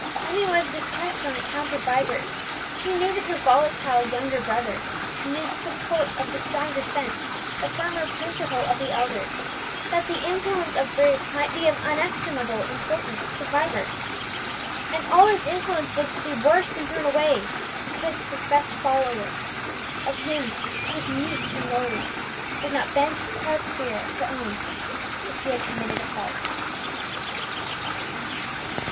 Emmie was distressed on account of Vibert; she knew that her volatile younger brother needed the support of the stronger sense, the firmer principle of the elder, that the influence of Bruce might be of inestimable importance to Vibert. And all this influence was to be worse than thrown away, because the professed follower of Him who was meek and lowly would not bend his proud spirit to own that he had committed a fault!